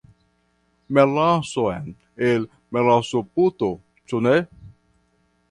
Melason el melasoputo, ĉu ne?